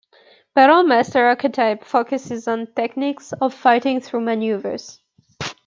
Battle Master archetype focuses on techniques of fighting through maneuvers.